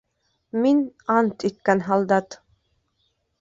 — Мин ант иткән һалдат...